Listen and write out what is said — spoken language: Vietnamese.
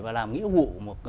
và làm nghĩa vụ